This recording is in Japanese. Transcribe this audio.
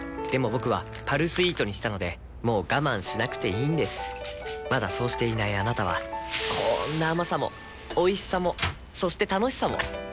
僕は「パルスイート」にしたのでもう我慢しなくていいんですまだそうしていないあなたはこんな甘さもおいしさもそして楽しさもあちっ。